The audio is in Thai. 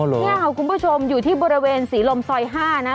อ๋อเหรอนี่คุณผู้ชมอยู่ที่บริเวณสีลมซอย๕นะ